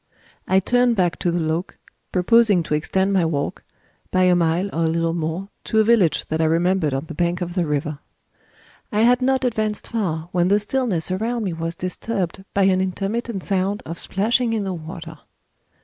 I turned back to The Loke, proposing to extend my walk, by a mile or a little more, to a village that I remembered on the bank of the river. I had not advanced far, when the stillness around me was disturbed by an intermittent sound of splashing in the water.